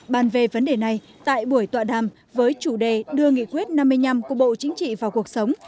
bàn về vấn đề này tại buổi tọa đàm với chủ đề đưa nghị quyết năm mươi năm của bộ chính trị vào cuộc sống